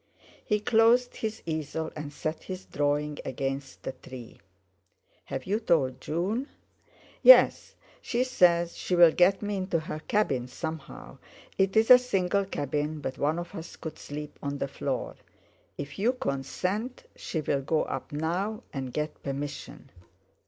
He closed his easel, and set his drawing against the tree. "Have you told June?" "Yes; she says she'll get me into her cabin somehow. It's a single cabin; but one of us could sleep on the floor. If you consent, she'll go up now and get permission."